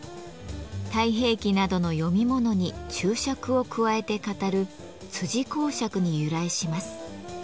「太平記」などの読み物に注釈を加えて語る「講釈」に由来します。